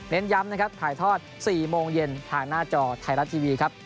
ย้ำนะครับถ่ายทอด๔โมงเย็นทางหน้าจอไทยรัฐทีวีครับ